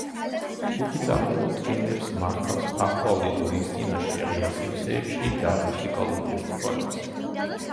ჯგუფი წარმოდგენებს მართავს ფართო აუდიტორიის წინაშე, ღია სივრცეებში და მუსიკალურ ფესტივალებზე.